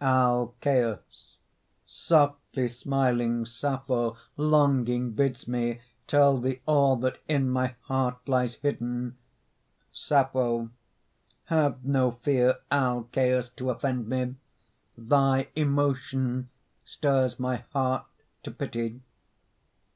ALCÆUS Softly smiling Sappho, longing bids me Tell thee all that in my heart lies hidden. SAPPHO Have no fear, Alcæus, to offend me! Thy emotion stirs my heart to pity.